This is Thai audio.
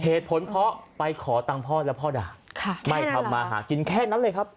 เหตุผลเพราะไปขอตังค์พ่อแล้วพ่อด่าไม่ทำมาหากินแค่นั้นเลยครับ